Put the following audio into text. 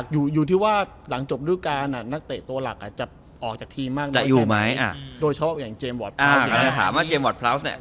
อยู่ที่ว่าหลังจบลูกการนักเตะเราจะออกจากที่ตัวหลักหล่ะ